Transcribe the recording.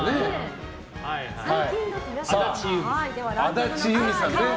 安達祐実さんとか。